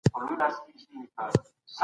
په کور کې ماشوم ته زیان نه رسول کېږي.